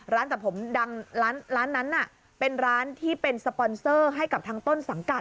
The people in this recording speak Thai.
ตัดผมดังร้านนั้นน่ะเป็นร้านที่เป็นสปอนเซอร์ให้กับทางต้นสังกัด